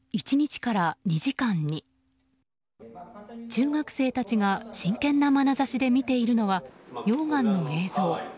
中学生たちが真剣なまなざしで見ているのは溶岩の映像。